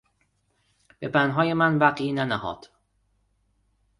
به پندهای من وقعی ننهاد.